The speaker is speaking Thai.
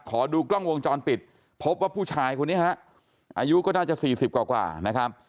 ขอดูกล้องวงจรปิดพบว่าผู้ชายคนนี้ฮะอายุก็น่าจะ๔๐กว่านะครับ